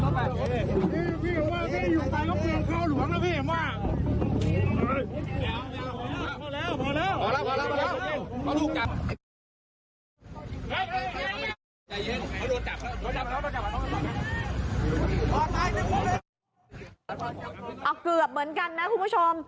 เอาเกือบเหมือนกันนะคุณผู้ชม